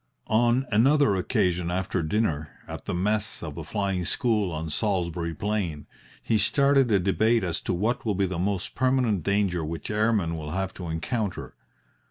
On another occasion after dinner, at the mess of the Flying School on Salisbury Plain, he started a debate as to what will be the most permanent danger which airmen will have to encounter.